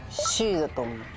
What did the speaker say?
だと思う。